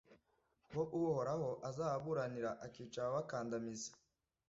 kuko uhoraho azababuranira, akica ababakandamiza